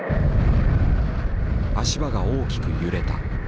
足場が大きく揺れた。